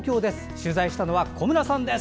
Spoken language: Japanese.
取材したのは小村さんです。